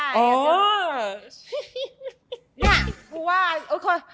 เนี่ยผู้ว่าโอเค